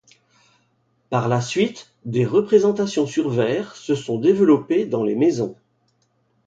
Par la suite des représentations sur verre se sont développées dans les maisons.